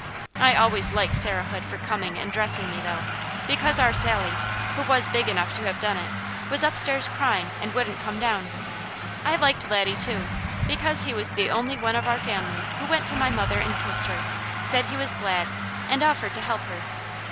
I always liked Sarah Hood for coming and dressing me, though, because our Sally, who was big enough to have done it, was upstairs crying and wouldn't come down. I liked Laddie too, because he was the only one of our family who went to my mother and kissed her, said he was glad, and offered to help her.